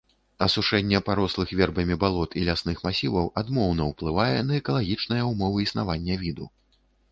Асушэнне парослых вербамі балот і лясных масіваў адмоўна ўплывае на экалагічныя ўмовы існавання віду.